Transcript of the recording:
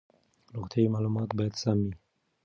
روغتیايي معلومات باید سم وي.